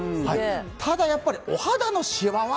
ただ、やっぱりお肌のシワは。